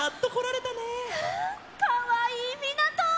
かわいいみなと！